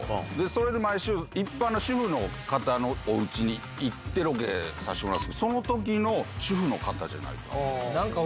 それで毎週、一般の主婦の方のおうちに行ってロケさせてもらって、そのときの主婦の方じゃないですか。